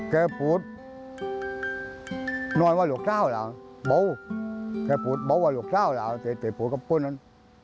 เคยปูน